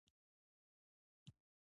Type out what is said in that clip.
• مهربان سړی د هر چا لپاره ښه نیت لري.